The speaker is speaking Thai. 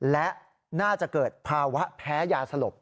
และน่าจะเกิดภาวะแพ้ยาสลบ